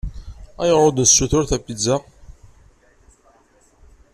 Ayɣer ur d-nessutur tapizza?